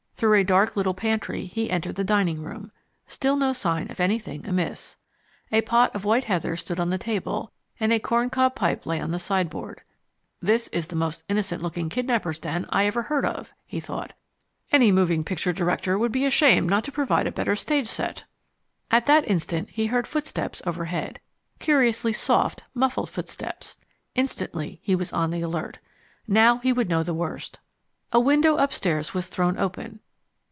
Through a dark little pantry he entered the dining room. Still no sign of anything amiss. A pot of white heather stood on the table, and a corncob pipe lay on the sideboard. "This is the most innocent looking kidnapper's den I ever heard of," he thought. "Any moving picture director would be ashamed not to provide a better stage set." At that instant he heard footsteps overhead. Curiously soft, muffled footsteps. Instantly he was on the alert. Now he would know the worst. A window upstairs was thrown open.